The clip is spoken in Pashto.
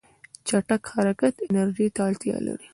چټک حرکت انرژي ته اړتیا لري.